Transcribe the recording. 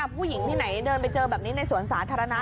ผู้หญิงที่ไหนเดินไปเจอแบบนี้ในสวนสาธารณะ